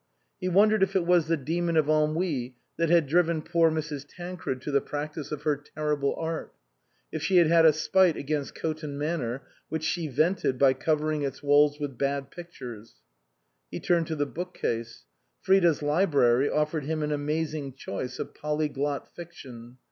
He wondered if it was the demon of ennui that had driven poor Mrs. Tancred to the practice of her terrible art, if she had had a spite against Coton Manor, which she vented by covering its walls with bad pictures. He turned to the bookcase. Frida's library offered him an amazing choice of polyglot fiction.